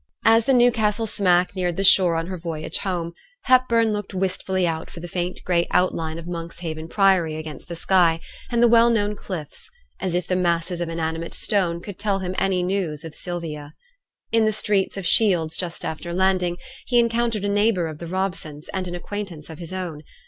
As the Newcastle smack neared the shore on her voyage home, Hepburn looked wistfully out for the faint gray outline of Monkshaven Priory against the sky, and the well known cliffs; as if the masses of inanimate stone could tell him any news of Sylvia. In the streets of Shields, just after landing, he encountered a neighbour of the Robsons, and an acquaintance of his own.